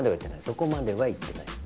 そこまでは言ってない。